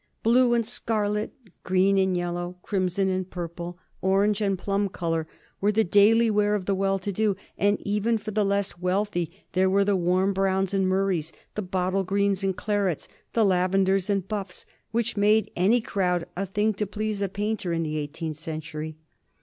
Blue and scarlet, green and yellow, crimson and purple, orange and plum color were the daily wear of the well to do; and even for the less wealthy there were the warm browns and murreys, the bottle greens and clarets, and lavenders and buffs which made any crowd a thing to please a painter in the eighteenth century.